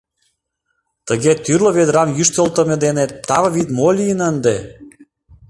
Тыге тӱрлӧ ведрам йӱштылтымӧ дене таве вӱд мо лийын ынде?